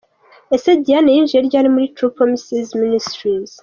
Ese Diane yinjiye ryari muri True Promises Ministries?.